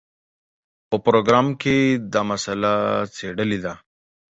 په پروګرام کې دا مسله څېړلې ده.